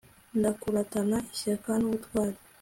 ndakuratana ishyaka n'ubutwari